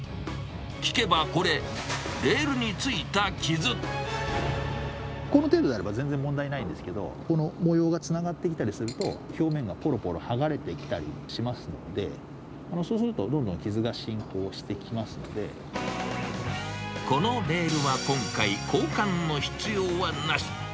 聞けばこれ、この程度であれば、全然問題ないんですけど、この模様がつながってきたりすると、表面がぽろぽろ剥がれてきたりしますので、そうするとどんどん傷が進行してこのレールは今回、交換の必要はなし。